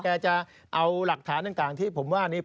จะเอาหลักฐานต่างที่ผมว่านี้